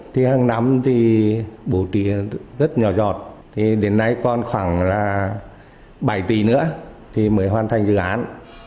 thì hàng năm thì bổ trí rất nhỏ giọt thì đến nay còn khoảng bảy tỷ nữa thì mới hoàn thành dự án